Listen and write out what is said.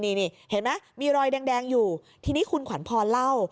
นี่เห็นไหมมีรอยแดงอยู่ทีนี้คุณขวัญพรเล่า